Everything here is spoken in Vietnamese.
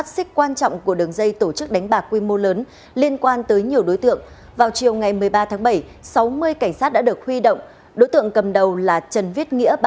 xin chào và hẹn gặp lại